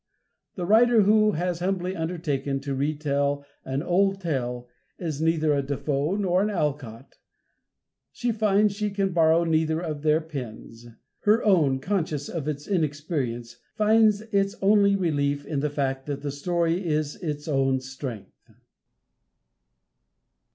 The writer, who has humbly undertaken to re tell an old tale, is neither a De Foe nor an Alcott. She finds she can borrow neither of their pens. Her own, conscious of its inexperience, finds its only relief in the fact that the story is its own strength.